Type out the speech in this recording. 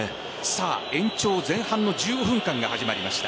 延長前半の１５分間が始まりました。